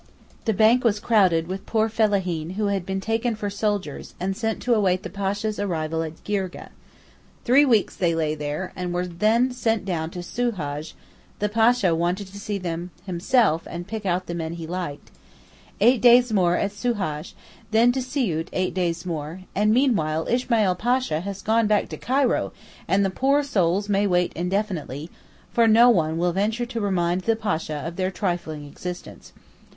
The bank was crowded with poor fellaheen who had been taken for soldiers and sent to await the Pasha's arrival at Girgeh; three weeks they lay there, and were then sent down to Soohaj (the Pasha wanted to see them himself and pick out the men he liked); eight days more at Soohaj, then to Siout eight days more, and meanwhile Ismail Pasha has gone back to Cairo and the poor souls may wait indefinitely, for no one will venture to remind the Pasha of their trifling existence.